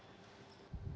kita juga masih mengetahui